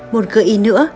một cơ ý nữa